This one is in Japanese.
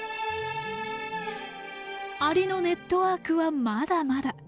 アリのネットワークはまだまだ。